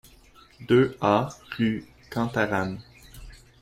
deux A rue Cantarane